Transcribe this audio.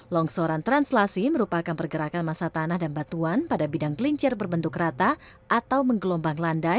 longsoran translasi merupakan pergerakan masa tanah dan batuan pada bidang kelincir berbentuk rata atau menggelombang landai